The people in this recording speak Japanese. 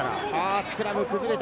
スクラム崩れた。